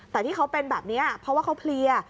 แต่ที่เขาเป็นแบบนี้เพราะว่าเขาเพลีย